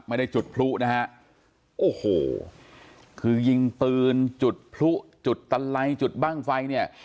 ไม่ได้จุดพลุนะฮะโอ้โหคือยิงปืนจุดพลุจุดตันไลจุดบ้างไฟเนี่ย